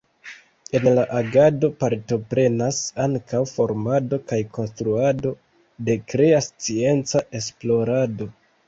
En la agado partoprenas ankaŭ formado kaj konstruado de krea scienca esplorado.